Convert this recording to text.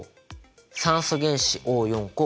酸素原子Ｏ４個。